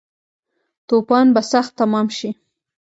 توپان به سخت تمام شی